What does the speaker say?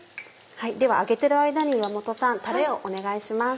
では揚げてる間に岩本さんタレをお願いします。